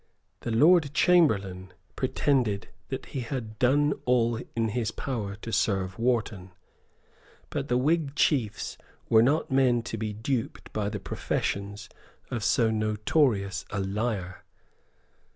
The Lord Chamberlain pretended that he had done all in his power to serve Wharton. But the Whig chiefs were not men to be duped by the professions of so notorious a liar.